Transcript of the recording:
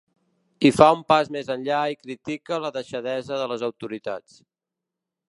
I fa un pas més enllà i critica la deixadesa de les autoritats.